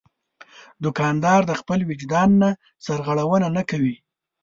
دوکاندار د خپل وجدان نه سرغړونه نه کوي.